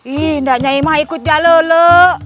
tidak nyai mah ikut jalolo